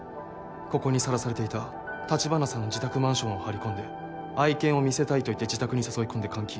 ここにさらされていた橘さんの自宅マンションを張り込んで愛犬を見せたいと言って自宅に誘い込んで監禁。